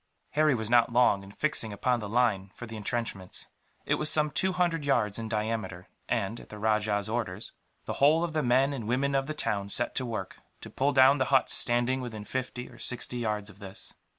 Harry was not long in fixing upon the line for the entrenchments. It was some two hundred yards in diameter and, at the rajah's orders, the whole of the men and women of the town set to work, to pull down the huts standing within fifty or sixty yards of this.